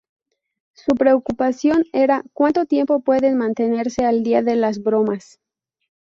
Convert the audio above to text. Su preocupación era "cuánto tiempo pueden mantenerse al día de las bromas.